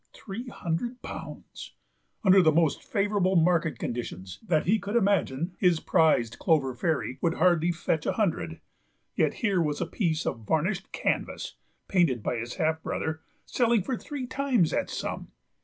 Three hundred pounds! Under the most favourable market conditions that he could imagine his prized Clover Fairy would hardly fetch a hundred, yet here was a piece of varnished canvas, painted by his half brother, selling for three times that sum.